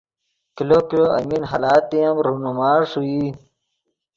کلو کلو المین حالاتے ام رونما ݰوئی